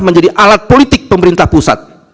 menjadi alat politik pemerintah pusat